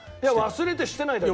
忘れてしてないだけ。